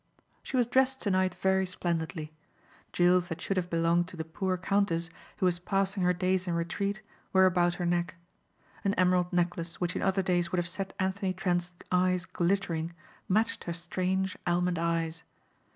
She was dressed tonight very splendidly. Jewels that should have belonged to the poor countess who was passing her days in retreat were about her neck. An emerald necklace which in other days would have set Anthony Trent's eyes glittering matched her strange almond eyes.